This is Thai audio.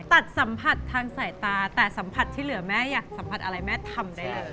ตัดสัมผัสทางสายตาแต่สัมผัสที่เหลือแม่อยากสัมผัสอะไรแม่ทำได้เลย